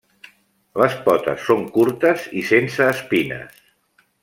Les potes són curtes i sense espines.